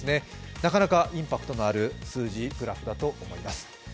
なかなかインパクトのある数字、グラフだと思います。